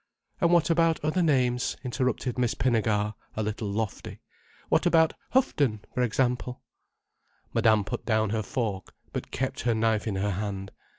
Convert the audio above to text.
"And what about other names," interrupted Miss Pinnegar, a little lofty. "What about Houghton, for example?" Madame put down her fork, but kept her knife in her hand.